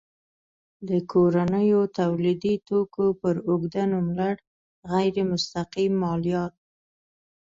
د کورنیو تولیدي توکو پر اوږده نوملړ غیر مستقیم مالیات.